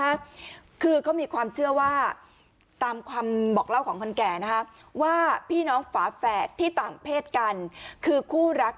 นะคือเขามีความเชื่อว่าตามความบอกเล่าของคนแก่นะคะว่าพี่น้องฝาแฝดที่ต่างเพศกันคือคู่รัก